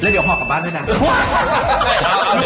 เดี๋ยวห่อกลับบ้านด้วยนะ